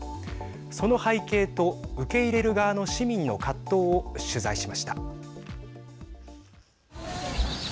その背景と受け入れる側の市民の葛藤を取材しました。